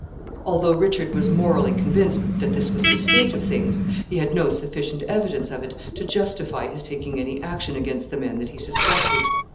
Although Richard was morally convinced that this was the state of things, he had no sufficient evidence of it to justify his taking any action against the men that he suspected.